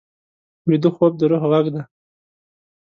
ویده خوب د روح غږ دی